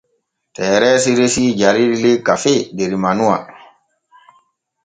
Tereesi resii jarirgel kafee der manuwa.